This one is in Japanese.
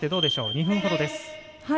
２分ほどです。